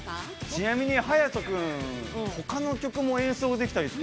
ちなみにはやと君他の曲も演奏できたりできるんですか？